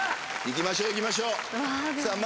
いきましょういきましょうさあ